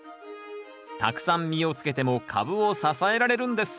たくさん実をつけても株を支えられるんです。